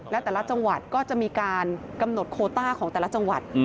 และแต่ละจังหวัดก็จะมีการกำหนดโคต้าของแต่ละจังหวัด